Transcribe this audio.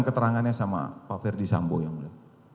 keterangannya sama ferdis sampo yang mulia